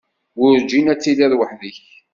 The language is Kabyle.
Werǧin ad tiliḍ weḥd-k.